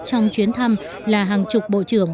trong chuyến thăm là hàng chục bộ trưởng